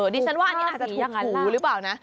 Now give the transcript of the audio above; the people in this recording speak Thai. ดิฉันว่าอันนี้อาจจะถูกหูหรือเปล่านะ